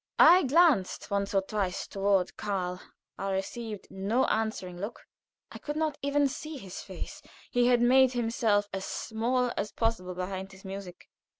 I glanced once or twice toward Karl; I received no answering look. I could not even see his face; he had made himself as small as possible behind his music.